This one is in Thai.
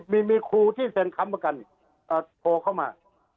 มีครูที่เซ็นค้ำประกันโทรเข้ามา